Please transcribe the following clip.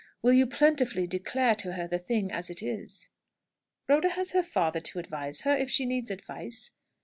Will you plentifully declare to her the thing as it is?" "Rhoda has her father to advise her, if she needs advice."